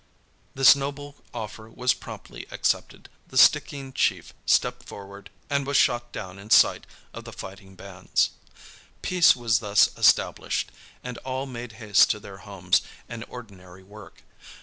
This noble offer was promptly accepted; the Stickeen chief stepped forward and was shot down in sight of the fighting bands. Peace was thus established, and all made haste to their homes and ordinary work.